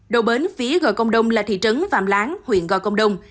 đầu bến phía gòi công đông là thị trấn vàm láng huyện gòi công đông